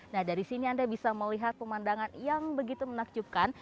nah dari sini anda bisa melihat pemandangan yang begitu menakjubkan